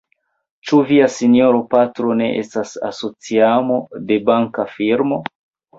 Ĉu via sinjoro patro ne estas asociano de banka firmo?